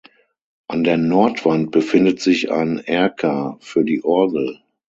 An der Nordwand befindet sich ein Erker für die Orgel.